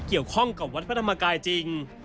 เกี่ยวข้องกับวัดพระธรรมกายจริง